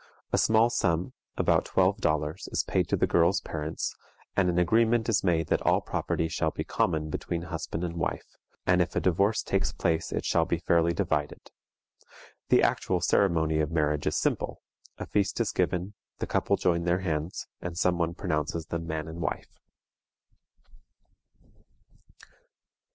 A small sum, about twelve dollars, is paid to the girl's parents, and an agreement is made that all property shall be common between husband and wife, and if a divorce takes place it shall be fairly divided. The actual ceremony of marriage is simple: a feast is given, the couple join their hands, and some one pronounces them man and wife.